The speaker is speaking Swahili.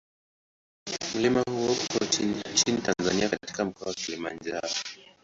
Mlima huo uko nchini Tanzania katika Mkoa wa Kilimanjaro.